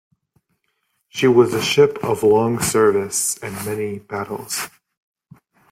She was a ship of long service and many battles.